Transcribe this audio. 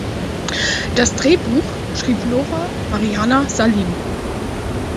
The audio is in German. Das Drehbuch schrieb Nora Mariana Salim.